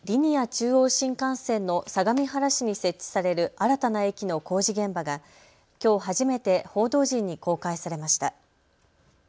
中央新幹線の相模原市に設置される新たな駅の工事現場がきょう初めて報道陣に公開されました。